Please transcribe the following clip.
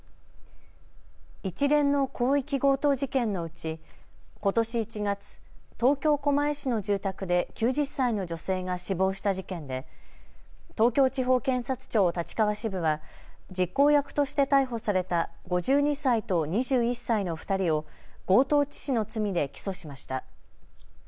一連の広域強盗事件のうちことし１月、東京狛江市の住宅で９０歳の女性が死亡した事件で東京地方検察庁立川支部は実行役として逮捕された５２歳と２１歳の２人を強盗致死の罪で起訴しました。